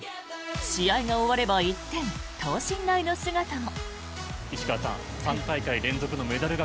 試合が終われば一転等身大の姿も。